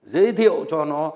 giới thiệu cho nó